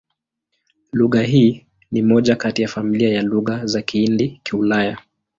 Lugha hii ni moja kati ya familia ya Lugha za Kihindi-Kiulaya.